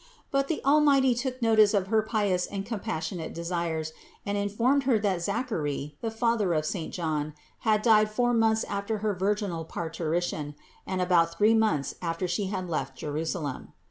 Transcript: But the Almighty took notice of her pious and compassionate desires and informed Her that Zachary, the father of saint John, had died four months after her virginal parturition and about three months after She had left Jerusalem.